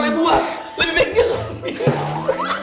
lebih baik ngemis